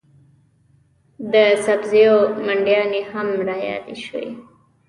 د سبزیو منډیانې هم رایادې شوې.